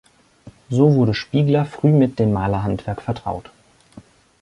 So wurde Spiegler früh mit dem Malerhandwerk vertraut.